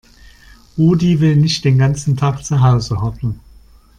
Rudi will nicht den ganzen Tag zu Hause hocken.